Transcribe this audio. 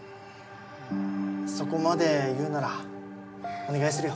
そこまで言うならお願いするよ。